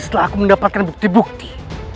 setelah aku mendapatkan bukti bukti